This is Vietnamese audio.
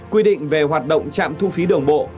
quy định về hoạt động trạm thu phí đường bộ